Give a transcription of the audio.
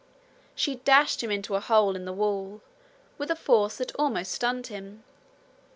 She dashed him into a hole in the wall, with a force that almost stunned him.